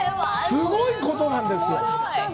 すごいことなんですよ。